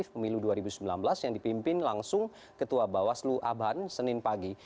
pemilu dua ribu sembilan belas yang dipimpin langsung ketua bawaslu abhan senin pagi